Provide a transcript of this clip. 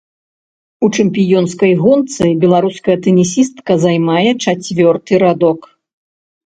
У чэмпіёнскай гонцы беларуская тэнісістка займае чацвёрты радок.